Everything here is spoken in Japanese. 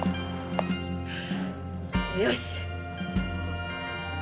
よし！